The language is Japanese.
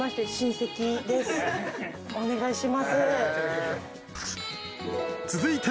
お願いします。